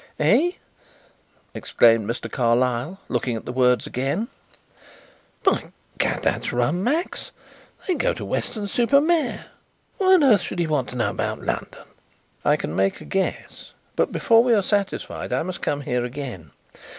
"Eh?" exclaimed Mr. Carlyle, looking at the words again, "by gad, that's rum, Max. They go to Weston super Mare. Why on earth should he want to know about London?" "I can make a guess, but before we are satisfied I must come here again.